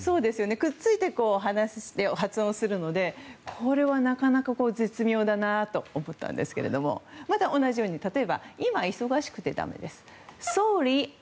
くっついて発音するのでこれはなかなか、絶妙だなと思ったんですがまた、同じように例えば今、忙しくてだめです。